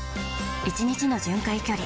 １日の巡回距離